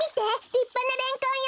りっぱなレンコンよ！